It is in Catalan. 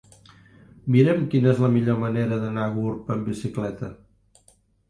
Mira'm quina és la millor manera d'anar a Gurb amb bicicleta.